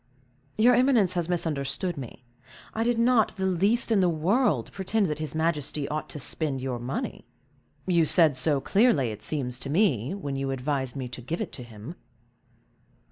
"Your eminence has misunderstood me. I did not, the least in the world, pretend that his majesty ought to spend your money." "You said so, clearly, it seems to me, when you advised me to give it to him."